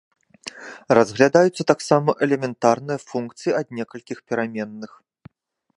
Разглядаюцца таксама элементарныя функцыі ад некалькіх пераменных.